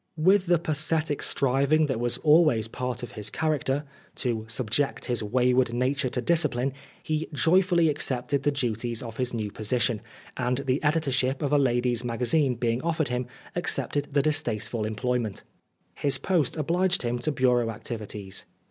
With the pathetic striving that was always part of his character, to subject his wayward nature to discipline, he joyfully accepted the duties of his new position ; and the editorship of a ladies' magazine being Oscar Wilde offered him, accepted the distasteful employ ment. His post obliged him to bureau activities.